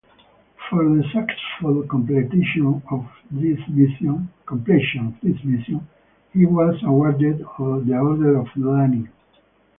For the successful completion of this mission, he was awarded the Order of Lenin.